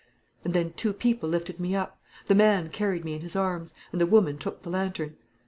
And then two people lifted me up; the man carried me in his arms, and the woman took the lantern.